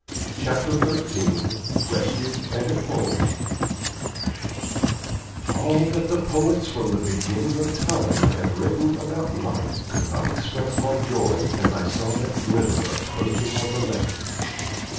CHAPTER XIII RESCUED AND AT HOME All that the poets from the beginning of time have written about light could not express my joy as I saw that glimmer approaching on the left.